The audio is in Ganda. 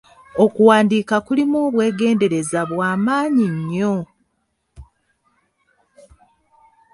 Okuwandiika kulimu obwegendereza bwa maanyi nnyo!